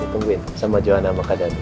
kita tungguin sama juana sama kadhanu